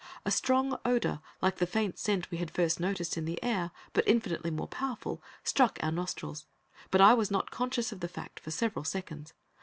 A strong odor, like the faint scent we had first noticed in the air, but infinitely more powerful, struck our nostrils, but I was not conscious of the fact for several seconds.